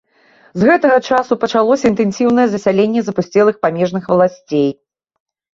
З гэтага часу пачалася інтэнсіўнае засяленне запусцелых памежных валасцей.